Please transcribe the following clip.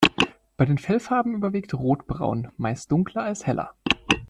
Bei den Fellfarben überwiegt rotbraun, meist dunkler als heller.